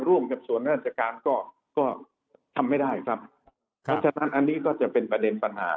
ร่วมกับส่วนราชการก็ก็ทำไม่ได้ครับเพราะฉะนั้นอันนี้ก็จะเป็นประเด็นปัญหา